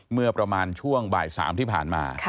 เมื่อประมาณช่วงบ่าย๓ที่ผ่านมา